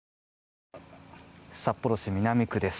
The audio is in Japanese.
札幌市南区です。